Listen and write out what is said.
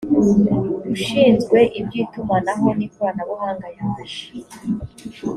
ushinzwe iby itumanaho n ikoranabuhanga yaje